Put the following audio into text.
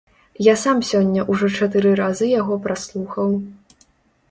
Я сам сёння ўжо чатыры разы яго праслухаў.